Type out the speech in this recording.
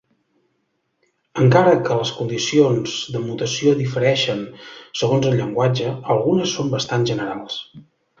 Encara que les condicions de mutació difereixen segons el llenguatge, algunes són bastant generals.